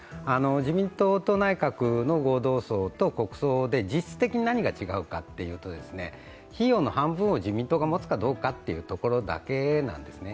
自民党と内閣の合同葬と国葬で実質的に何が違うかというと費用の半分を自民党が持つかどうかというところなんですね。